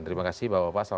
terima kasih bapak bapak